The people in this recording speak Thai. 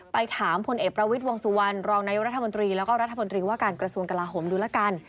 ไปถามพลเอกประวิทย์วงสุวรรณรองนายกรัฐมนตรีแล้วก็รัฐมนตรีว่าการกระทรวงกลาโหมดูแล้วกัน